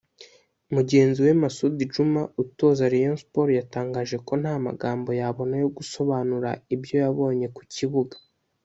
Mugenzi we Masoudi Djuma utoza Rayon Sports yatangaje ko nta magambo yabona yo gusobanura ibyo yabonye ku kibuga